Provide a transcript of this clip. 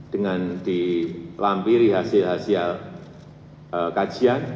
dengan dilampiri hasil hasil kajian